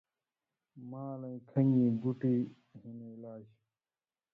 مالَیں کَھن٘گیں بُوٹی ہِن علاج